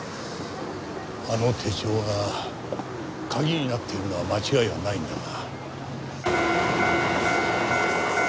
あの手帳が鍵になっているのは間違いはないんだが。